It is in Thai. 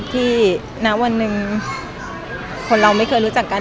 ที่นักวันนึงคนเราไม่เคยรู้จักกัน